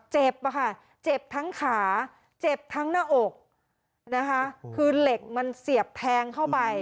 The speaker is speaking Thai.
เจ็บอะค่ะเจ็บทั้งขาเจ็บทั้งหน้าอกนะคะคือเหล็กมันเสียบแทงเข้าไป